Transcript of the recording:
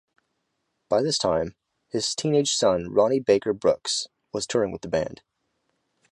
By this time, his teenage son Ronnie Baker Brooks was touring with the band.